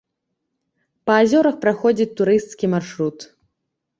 Па азёрах праходзіць турысцкі маршрут.